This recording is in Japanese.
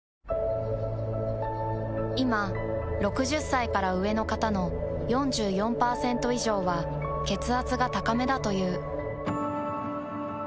いま６０歳から上の方の４４％以上は血圧が高めだという。